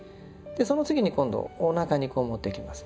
その時に今度おなかにこう持っていきます。